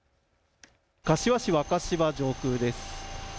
柏市若柴上空です。